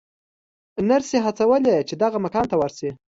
نرسې هڅولې چې دغه مکان ته ورشي.